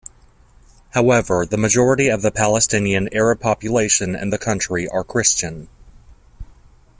However, the majority of the Palestinian Arab population in the country are Christian.